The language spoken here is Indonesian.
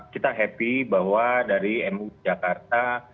kita senang bahwa dari mu jakarta